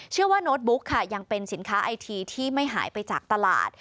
โน้ตบุ๊กค่ะยังเป็นสินค้าไอทีที่ไม่หายไปจากตลาด